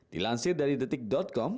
dilansir dari detik com